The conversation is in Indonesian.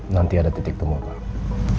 nanti ada titik temu pak